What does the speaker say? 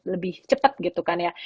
lebih cepat gitu kan ya